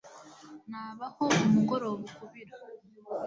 Nabaho umugoroba ukubira